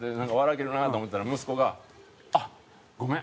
けるなって思ってたら息子が「あっごめん！